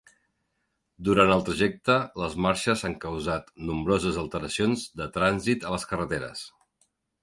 Durant el trajecte, les marxes han causat nombroses alteracions de trànsit a les carreteres.